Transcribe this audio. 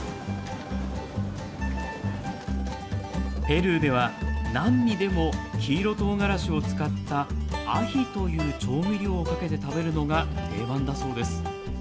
ペルーでは、何にでも黄色トウガラシを使ったアヒという調味料をかけて食べるのが定番だそうです。